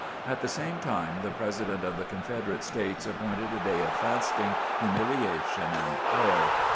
At the same time the President of the Confederate States appointed a day of fasting, humiliation and prayer.